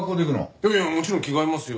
いやいやもちろん着替えますよ。